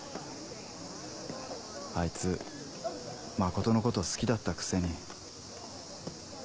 あいつ真琴のこと好きだったくせに。